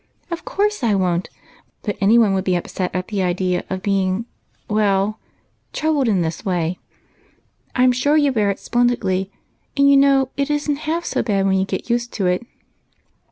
" Of course I won't ; but any one would be upset at the idea of being — well — troubled in this way. I 'm sure you bear it splendidly, and you know it is n't half so bad when you get used to it.